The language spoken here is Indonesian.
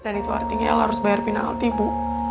dan itu artinya lo harus bayar pinaulti bu